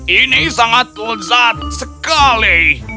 ini sangat lezat sekali